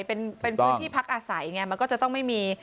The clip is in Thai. เป็นพื้นที่พักอาศัยไงมันก็จะต้องไม่มี